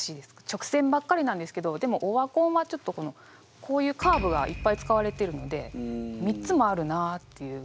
直線ばっかりなんですけどでも「オワコン」はこういうカーブがいっぱい使われているので３つもあるなあっていうふうに。